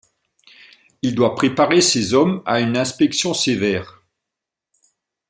Il doit préparer ses hommes à une inspection sévère.